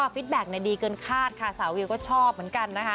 ฟิตแบ็คดีเกินคาดค่ะสาววิวก็ชอบเหมือนกันนะคะ